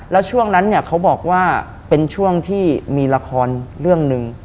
แล้วช่วงนั้นเนี่ยเขาบอกว่าเป็นช่วงที่มีละครเรื่องหนึ่ง